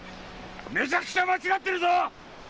めちゃくちゃ間違ってるぞ！